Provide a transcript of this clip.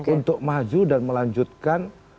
untuk maju dan melanjutkan